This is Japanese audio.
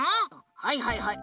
はいはいはい。